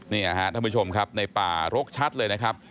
นี่ครับท่านผู้ชมครับในป่ารกชัดเลยนะครับ